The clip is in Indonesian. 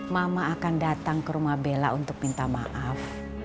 mama akan datang ke rumah bella untuk minta maaf